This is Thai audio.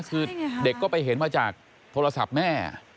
คือเด็กก็ไปเห็นมาจากโทรศัพท์แม่